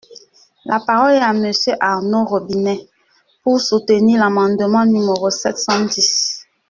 La parole est à Monsieur Arnaud Robinet, pour soutenir l’amendement numéro sept cent dix.